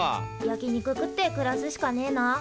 焼き肉食って暮らすしかねえな。